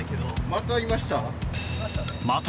またいました？